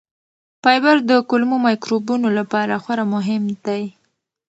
فایبر د کولمو مایکروبونو لپاره خورا مهم دی.